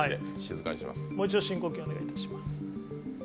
もう一度、深呼吸をお願いいたします。